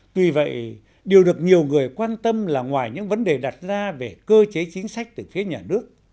tuy vậy điều được nhiều người quan tâm là ngoài những vấn đề đặt ra về cơ chế chính sách từ phía nhà nước